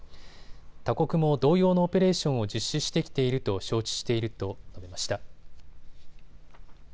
他国も同様のオペレーションを実施してきていると承知していると述べました。